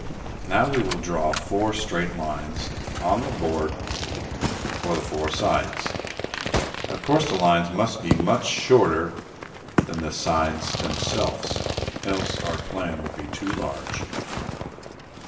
Now we will draw four straight lines on the board for the four sides. Of course, the lines must be much shorter than the sides themselves, else our plan will be too large.